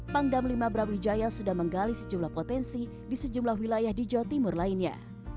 pangdam lima brawijaya sudah menggali sejumlah potensi di sejumlah wilayah di jawa timur lainnya